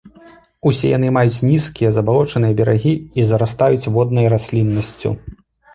Усе яны маюць нізкія забалочаныя берагі і зарастаюць воднай расліннасцю.